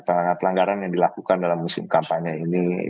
pelanggaran pelanggaran yang dilakukan dalam musim kampanye ini